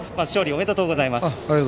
ありがとうございます。